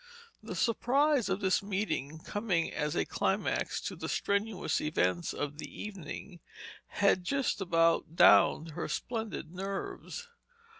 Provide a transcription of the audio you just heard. The surprise of this meeting coming as a climax to the strenuous events of the evening had just about downed her splendid nerves.